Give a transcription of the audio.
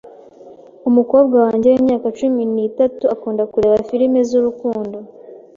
Umukobwa wanjye wimyaka cumi n'itatu akunda kureba firime zurukundo.